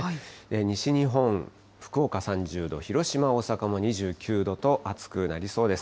西日本、福岡３０度、広島、大阪も２９度と暑くなりそうです。